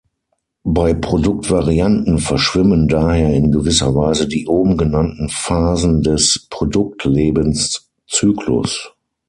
Bei Produktvarianten verschwimmen daher in gewisser Weise die oben genannten Phasen des Produktlebenszyklus.